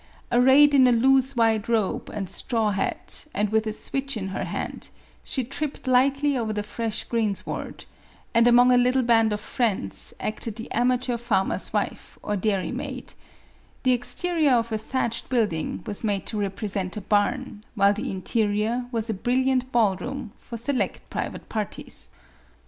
Arrayed in a loose white robe, and straw hat, and with a switch in her hand, she tripped lightly over the fresh green sward, and among a little band of friends, acted the amateur farmer's wife, or dairy maid ; the exterior of a thatched building was made to represent a barn, while the interior was a brilliant ball room, for select private parties.